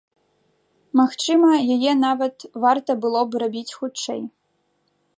Магчыма, яе нават варта было б рабіць хутчэй.